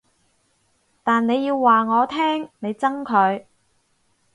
但你要話我聽你憎佢